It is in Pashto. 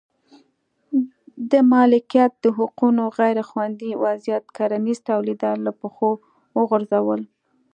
د مالکیت د حقونو غیر خوندي وضعیت کرنیز تولیدات له پښو وغورځول.